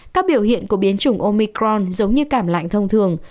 các biểu hiện của biến chủng omicron giống như cảm lạnh thông thường